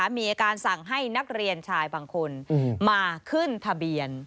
มีการสั่งให้นักเรียนชายบางคนมาขึ้นทะเบียน